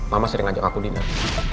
mama sering ajak aku dinar